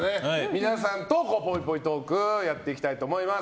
皆さんとぽいぽいトークやっていきたいと思います。